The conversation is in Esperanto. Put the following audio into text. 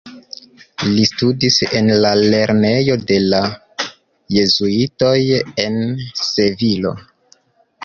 Li studis en la lernejo de la Jezuitoj en Sevilo.